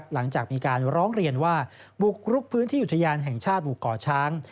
หลังจากมีการร้องเรียนว่าบุกรุกพื้นที่อุทยานแห่งชาติบุกก่อช้าง